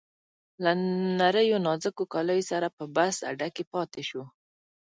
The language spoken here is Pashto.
له نریو نازکو کالیو سره په بس اډه کې پاتې شو.